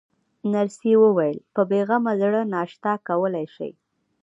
نرسې وویل: په بې غمه زړه ناشته کولای شئ.